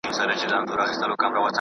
ایا ته له آنلاین زده کړې راضي یې؟